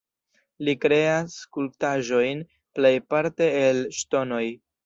Li kreas skulptaĵojn plejparte el ŝtonoj.